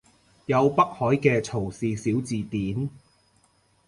有北海嘅曹氏小字典